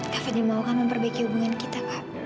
kak fadil mau kami memperbaiki hubungan kita kak